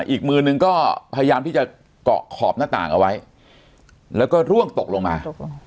อีกมือนึงก็พยายามที่จะเกาะขอบหน้าต่างเอาไว้แล้วก็ร่วงตกลงมา